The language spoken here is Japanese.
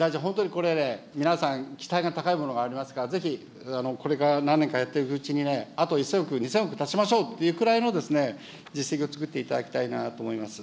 これね、皆さん、期待が高いものがありますから、ぜひ、これから何年かやっていくうちに、あと１０００億、２０００億出しましょうというぐらいの実績を作っていただきたいなと思います。